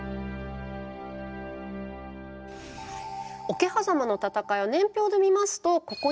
桶狭間の戦いは年表で見ますとここになります。